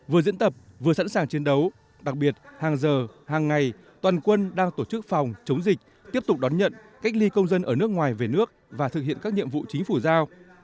vừa diễn tập vừa sẵn sàng chiến đấu đặc biệt hàng giờ hàng ngày toàn quân đang tổ chức phòng chống dịch tiếp tục đón nhận cách ly công dân ở nước ngoài về nước và thực hiện các nhiệm vụ chính phủ giao